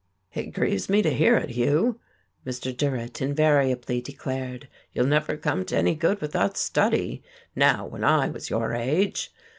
"It grieves me to hear it, Hugh," Mr. Durrett invariably declared. "You'll never come to any good without study. Now when I was your age..."